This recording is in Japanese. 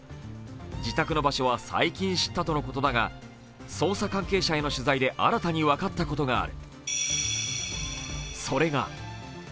自宅場所は最近知ったということだが捜査関係者への取材で新たに分かったことがある。